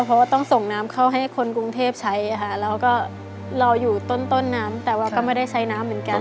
เพราะว่าต้องส่งน้ำเข้าให้คนกรุงเทพใช้ค่ะแล้วก็รออยู่ต้นน้ำแต่ว่าก็ไม่ได้ใช้น้ำเหมือนกัน